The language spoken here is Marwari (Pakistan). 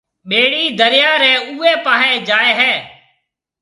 ٻِيڙِي دريا ريَ اُوئي پاهيَ جائي هيَ۔